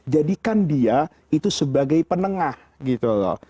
jadikan dia itu sebagai penengah gitu loh